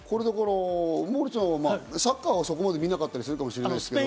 モーリーさん、サッカーはそこまで見なかったりするかもしれませんけど。